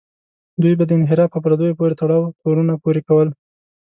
دوی به د انحراف او پردیو پورې تړاو تورونه پورې کول.